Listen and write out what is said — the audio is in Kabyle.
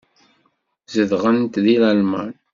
Zedɣent deg Lalman.